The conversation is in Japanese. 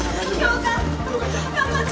頑張って！